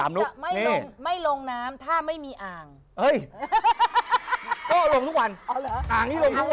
อ่างนี่ลงทุกวัน